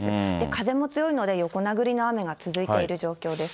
風も強いので、横殴りの雨が続いている状況です。